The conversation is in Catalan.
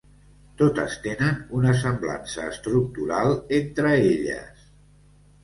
Totes tenen una semblança estructural entre elles.